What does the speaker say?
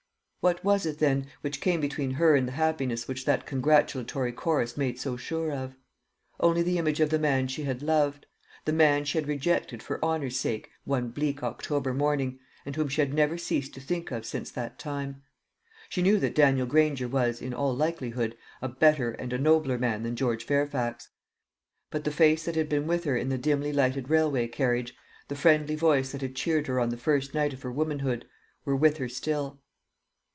What was it, then, which came between her and the happiness which that congratulatory chorus made so sure of? Only the image of the man she had loved the man she had rejected for honour's sake one bleak October evening, and whom she had never ceased to think of since that time. She knew that Daniel Granger was, in all likelihood, a better and a nobler man than George Fairfax; but the face that had been with her in the dimly lighted railway carriage, the friendly voice that had cheered her on the first night of her womanhood, were with her still.